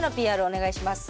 お願いします。